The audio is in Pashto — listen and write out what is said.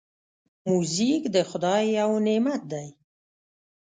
موزیک د خدای یو نعمت دی.